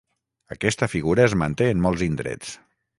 Aquesta figura es manté en molts indrets.